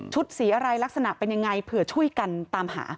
สีอะไรลักษณะเป็นยังไงเผื่อช่วยกันตามหา